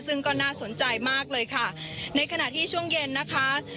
ซึ่งก็น่าสนใจมากเลยค่ะในขณะที่ช่วงเย็นนะคะ